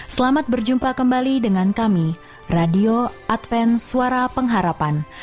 selamat berjumpa kembali dengan kami radio adven suara pengharapan